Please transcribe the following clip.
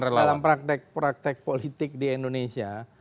kita tahu lah dalam praktek praktek politik di indonesia